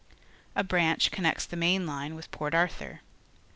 A branch connects the main line with Port ArtJnir.